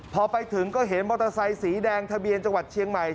พอไปถึงก็เห็นมอเตอร์ไซค์สีแดงทะเบียนจังหวัดเชียงใหม่